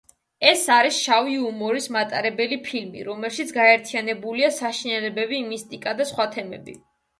ეს არის შავი იუმორის მატარებელი ფილმი, რომელშიც გაერთიანებულია საშინელებები, მისტიკა და სხვა თემები.